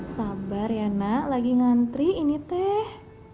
sabar ya nak lagi ngantri ini teh